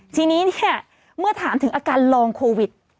ทีนี้เนี่ยเมื่อถามถึงอาการลองโควิด